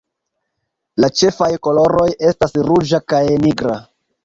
La ĉefaj koloroj estas ruĝa kaj nigra.